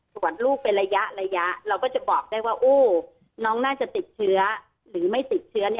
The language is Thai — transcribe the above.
ส่วนลูกเป็นระยะเราก็จะบอกได้ว่าน้องน่าจะติดเชื้อหรือไม่ติดเชื้อ